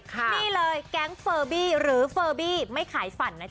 นี่เลยแก๊งเฟอร์บี้หรือเฟอร์บี้ไม่ขายฝันนะจ